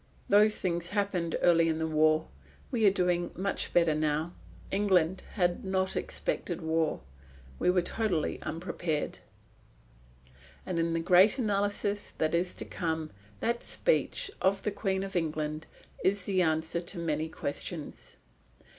"Those things happened early in the war. We are doing much better now. England had not expected war. We were totally unprepared." And in the great analysis that is to come, that speech of the Queen of England is the answer to many questions.